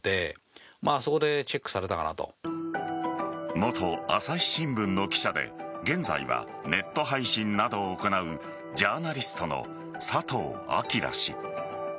元朝日新聞の記者で現在はネット配信などを行うジャーナリストの佐藤章氏。